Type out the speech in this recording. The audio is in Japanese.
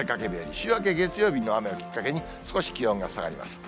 週明け月曜日の雨をきっかけに、少し気温が下がります。